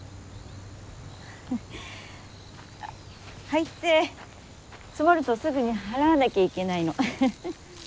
灰って積もるとすぐに払わなきゃいけないの。